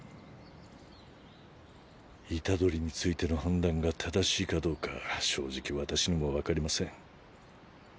虎杖についての判断が正しいかどうか正直私にも分かりません。